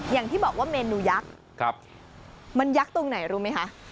อย่างที่บอกว่าเมนูยักษ์มันยักษ์ตรงไหนรู้ไหมคะ